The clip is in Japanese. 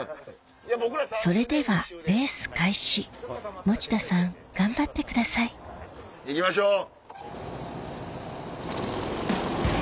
それではレース開始持田さん頑張ってください行きましょう。